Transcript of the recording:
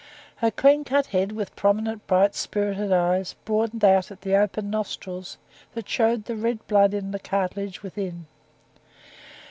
Her clean cut head, with prominent, bright, spirited eyes, broadened out at the open nostrils, that showed the red blood in the cartilage within.